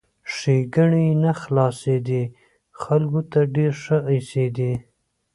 ښېګڼې یې نه خلاصېدې ، خلکو ته ډېر ښه ایسېدی!